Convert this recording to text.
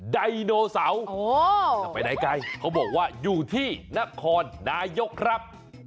ไดโนเสาร์จะไปไหนไกลเขาบอกว่าอยู่ที่นครนายกครับ